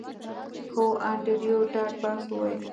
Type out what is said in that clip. هو انډریو ډاټ باس وویل